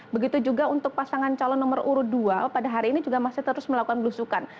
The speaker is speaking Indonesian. begitu juga untuk pasangan calon nomor urut dua pada hari ini juga masih terus melakukan belusukan